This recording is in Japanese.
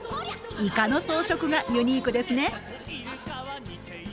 イカの装飾がユニークですね！